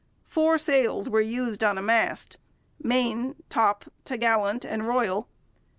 Four sails were used on a mast main, top, topgallant, and royal.